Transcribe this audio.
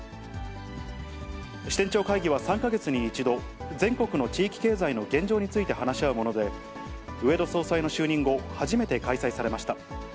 支店長会議は３か月に１度、全国の地域経済の現状について話し合うもので、植田総裁の就任後、初めて開催されました。